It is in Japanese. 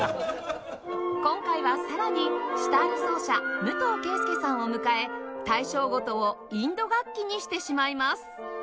今回はさらにシタール奏者武藤景介さんを迎え大正琴をインド楽器にしてしまいます